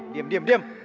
ayo diam diam diam